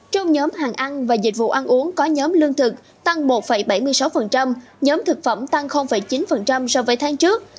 trong nhóm hàng ăn và dịch vụ ăn uống có nhóm lương thực tăng một bảy mươi sáu nhóm thực phẩm tăng chín so với tháng trước